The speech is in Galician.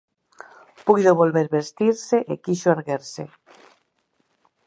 Puido volver vestirse e quixo erguerse.